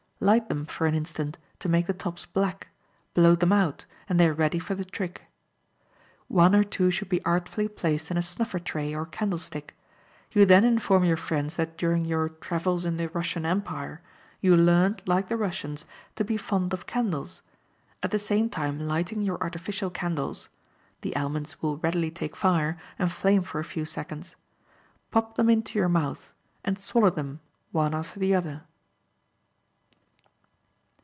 Light them for an instant, to make the tops black, blow them out, and they are ready for the trick. One or two should be artfully placed in a snuffer tray, or candle stick; you then inform your friends that during your "travels in the Russian Empire," you learned, like the Russians, to be fond of candles; at the same time lighting your artificial candles (the almonds will readily take fire, and flame for a few seconds), pop them into your mouth; and swallow them, one after the other.